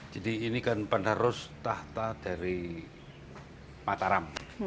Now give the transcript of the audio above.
jadi ini kan penerus tahta dari mataram